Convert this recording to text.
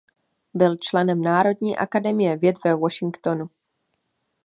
Byl členem Národní akademie věd ve Washingtonu.